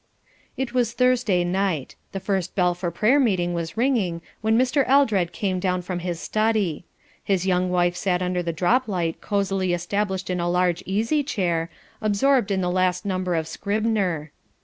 It was Thursday night. The first bell for prayer meeting was ringing when Mr. Eldred came down from his study. His young wife sat under the drop light cosily established in a large easy chair, absorbed in the last number of Scribner.